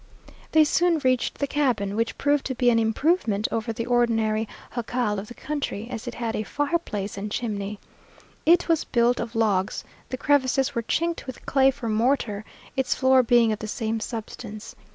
They soon reached the cabin, which proved to be an improvement over the ordinary jacal of the country, as it had a fireplace and chimney. It was built of logs; the crevices were chinked with clay for mortar, its floor being of the same substance.